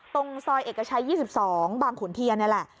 ตรงซอยเอกชัย๒๒บางขุนเทียนนี่แหละ